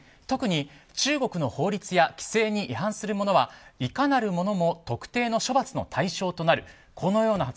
特に中国の法律や規制に違反するものはいかなるものも特定の処罰の対象となる。